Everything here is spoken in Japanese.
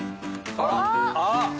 あら！